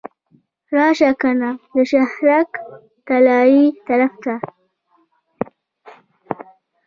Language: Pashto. راشه کنه د شهرک طلایې طرف ته.